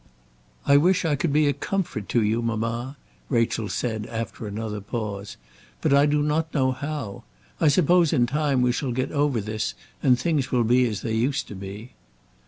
"I wish I could be a comfort to you, mamma," Rachel said after another pause, "but I do not know how. I suppose in time we shall get over this, and things will be as they used to be."